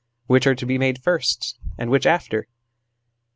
Which are to be made first, and which after